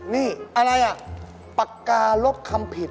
นี่ปากการลบคำผิด